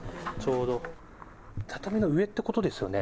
畳の上ってことですよね？